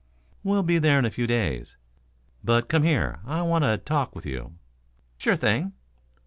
"We'll be there in a few days. But come here; I want to talk with you?" "Sure thing."